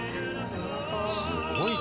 すごいね。